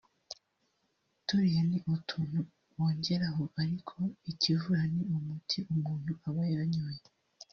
turiya ni utuntu bongeraho ariko ikivura ni umuti umuntu aba yanyoye